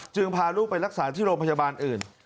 พาลูกไปรักษาที่โรงพยาบาลอื่น